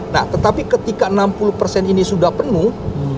nah tetapi ketika enam puluh persen ini sudah penuh